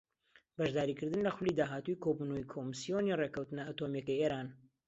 بەشداریکردن لە خولی داهاتووی کۆبوونەوەی کۆمسیۆنی ڕێککەوتنە ئەتۆمییەکەی ئێران